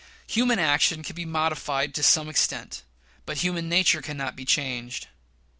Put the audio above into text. Human action can be modified to some extent, but human nature cannot be changed.